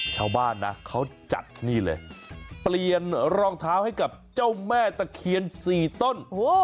ชาวบ้านนะเขาจัดนี่เลยเปลี่ยนรองเท้าให้กับเจ้าแม่ตะเคียน๔ต้น